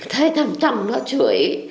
thấy thầm thầm nó chửi